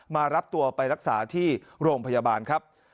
มารับตัวไปรักษาที่โรงพยาบาลครับ